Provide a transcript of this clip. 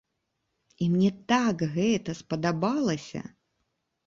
І мне так гэта спадабалася!